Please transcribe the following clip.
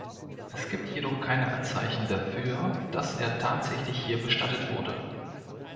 Es gibt jedoch keine Anzeichen dafür, dass er tatsächlich hier bestattet wurde.